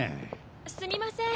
すみません。